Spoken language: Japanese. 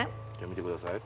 見てください